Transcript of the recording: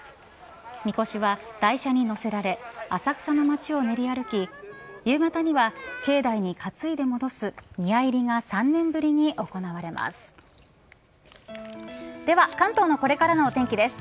みこしは、台車に乗せられ浅草の街を練り歩き夕方には境内に担いで戻す宮入りが３年ぶりに行われます。